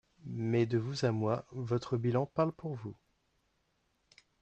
Mais, de vous à moi, votre bilan parle pour vous.